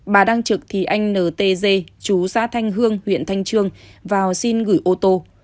bà đang trực thì anh n t d chú xá thanh hương huyện thanh trương vào xin gửi ô tô